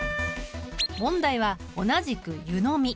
問題は同じく「ゆのみ」。